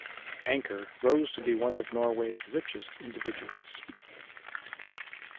Anker rose to become one of Norway's richest individuals.